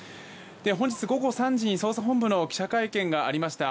本日午後３時に捜査本部の記者会見がありました。